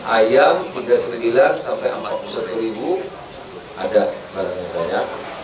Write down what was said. ayam rp tiga puluh sembilan sampai rp empat puluh satu ada barangnya banyak